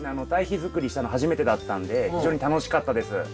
堆肥づくりしたの初めてだったんで非常に楽しかったです。